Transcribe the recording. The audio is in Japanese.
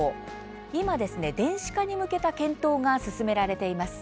今、電子化に向けた検討が進められています。